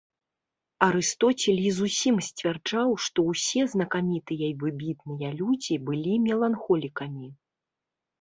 Арыстоцель і зусім сцвярджаў, што ўсе знакамітыя і выбітныя людзі былі меланхолікамі.